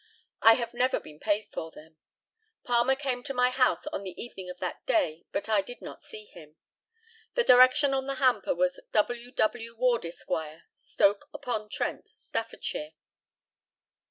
I have never been paid for them. Palmer came to my house on the evening of that day, but I did not see him. The direction on the hamper was "W. W. Ward, Esq., Stoke upon Trent, Staffordshire."